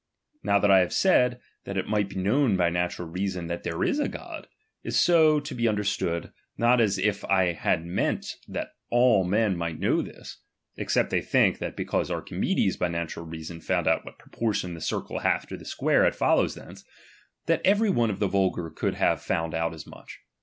Now that I have said, that it might be known by natural reason that there is a God, is so to be understood, not as if I had meant that all men might know this ; except they think, that because Archimedes by natural reason found out wliat proportion tlie circle hath to the square, it follows thence, that every ono of the vulgar could have found out as much.